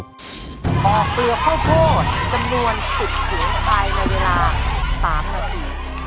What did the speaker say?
บอกเรียกข้อโทษจำนวน๑๐ผิวไทยในเวลา๓นาที